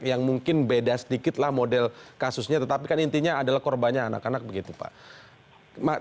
yang mungkin beda sedikitlah model kasusnya tetapi kan intinya adalah korbannya anak anak begitu pak